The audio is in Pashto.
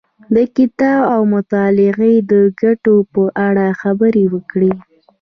د کتاب او مطالعې د ګټو په اړه خبرې وکړې.